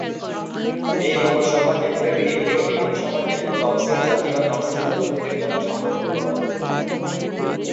এই লোকসভা কেন্দ্রের একটিও বিধানসভা কেন্দ্র তফসিলী জাতি বা তফসিলী উপজাতিদের জন্য সংরক্ষিত।